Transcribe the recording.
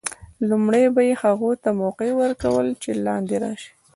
لومړی به یې هغو ته موقع ور کول چې لاندې راشي.